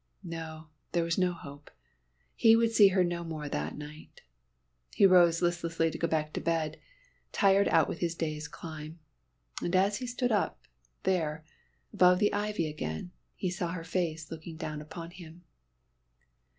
No, there was no hope; he would see her no more that night. He rose listlessly to go back to bed, tired out with his day's climb. And as he stood up, there, above the ivy again, he saw her face looking down upon him.